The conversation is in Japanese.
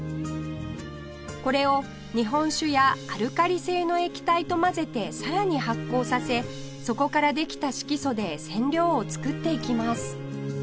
これを日本酒やアルカリ性の液体と混ぜてさらに発酵させそこからできた色素で染料を作っていきます